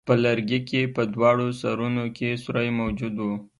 په لرګي کې په دواړو سرونو کې سوری موجود وو.